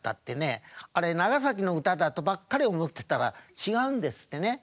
あれ長崎の歌だとばっかり思ってたら違うんですってね。